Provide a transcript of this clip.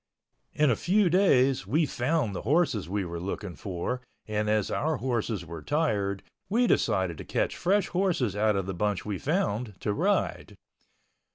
In a few days we found the horses we were looking for, and as our horses were tired, we decided to catch fresh horses out of the bunch we found to ride.